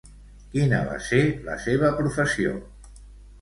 Quina va ser la seva professió?